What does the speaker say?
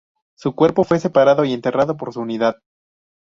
Su cuerpo fue recuperado y enterrado por su unidad.